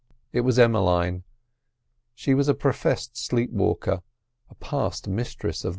It was Emmeline. She was a professed sleepwalker—a past mistress of the art.